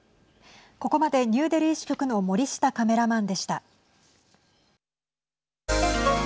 ここまでニューデリー支局の森下カメラマンでした。